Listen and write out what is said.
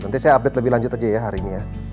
nanti saya update lebih lanjut aja ya hari ini ya